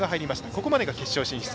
ここまでが決勝進出。